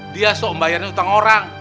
dia sok membayarnya utang orang